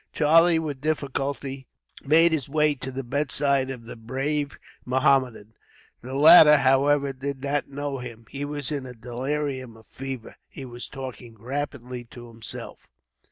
Charlie, with difficulty, made his way to the bedside of the brave Mohammedan. The latter, however, did not know him. He was in the delirium of fever. He was talking rapidly to himself.